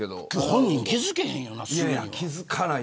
本人、気付かへんよね。